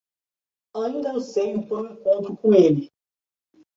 Ainda anseio por um encontro com ele.